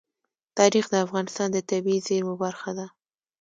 تاریخ د افغانستان د طبیعي زیرمو برخه ده.